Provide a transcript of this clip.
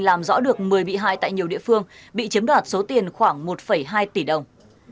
làm rõ được một mươi bị hại tại nhiều địa phương bị chiếm đoạt số tiền khoảng một hai tỷ đồng